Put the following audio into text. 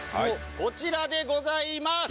こちらでございます